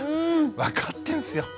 分かってんすよ。